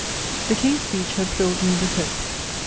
* The King's Speech had filled me with hope.